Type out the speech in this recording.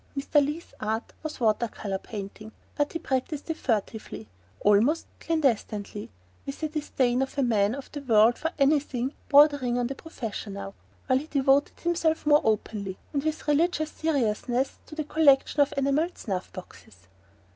Mr. Leath's art was water colour painting, but he practised it furtively, almost clandestinely, with the disdain of a man of the world for anything bordering on the professional, while he devoted himself more openly, and with religious seriousness, to the collection of enamelled snuff boxes.